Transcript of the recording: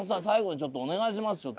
最後にちょっとお願いします。